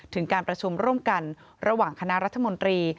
ถึงการประชุมร่วมกันระหว่างคณะรัฐมนตรี